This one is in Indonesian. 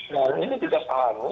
dan ini kita pahami